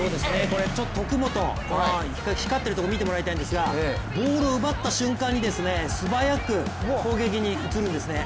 徳元、光ってるとこ見てほしいんですがボールを奪った瞬間に素早く攻撃に移るんですね。